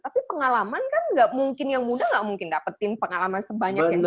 tapi pengalaman kan gak mungkin yang muda gak mungkin dapetin pengalaman sebanyak yang dulu